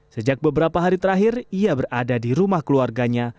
sejak beberapa hari terakhir ia berada di rumah keluarganya